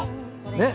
ねっ？